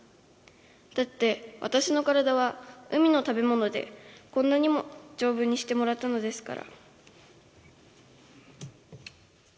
だって、わたしの体は海の食べものでこんなにもじょうぶにしてもらったのですから。